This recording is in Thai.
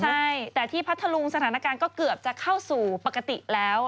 ใช่แต่ที่พัทธลุงสถานการณ์ก็เกือบจะเข้าสู่ปกติแล้ว